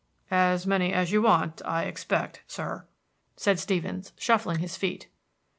"As many as you want, I expect, sir," said Stevens, shuffling his feet.